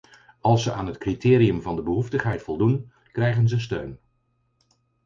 Als ze aan het criterium van de behoeftigheid voldoen, krijgen ze steun.